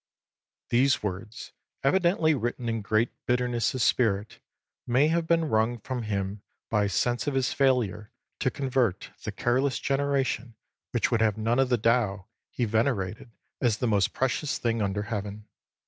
These words, evidently written in great bitterness of spirit, may have been wrung from him by a sense of his failure to convert the careless generation which would have none of the Tao he venerated as the most precious thing under heaven.